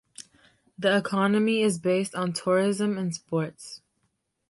The economy is based on tourism and sports.